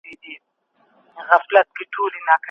حتا كوچنى هـم خـبـر